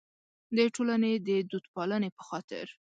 د ټولنې د دودپالنې په خاطر.